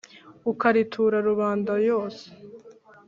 Ukaritura Rubanda yose